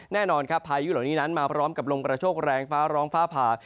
แน่นอนครับพายุเหล่านี้นั้นมาพร้อมกับลมกระโชคแรงฟ้าร้องฟ้าผ่า